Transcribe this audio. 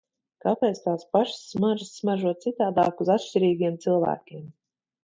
Kāpēc tās pašas smaržas smaržo citādāk uz atšķirīgiem cilvēkiem?